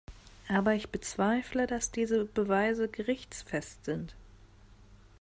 Aber ich bezweifle, dass diese Beweise gerichtsfest sind.